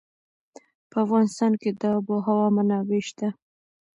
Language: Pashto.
په افغانستان کې د آب وهوا منابع شته.